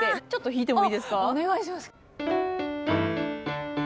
お願いします。